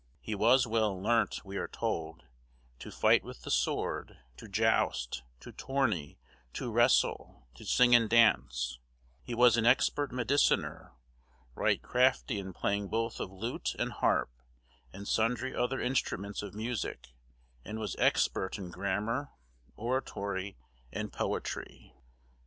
He was well learnt, we are told, "to fight with the sword, to joust, to tourney, to wrestle, to sing and dance; he was an expert mediciner, right crafty in playing both of lute and harp, and sundry other instruments of music, and was expert in grammar, oratory, and poetry." Ballenden's translation of Hector Boyce.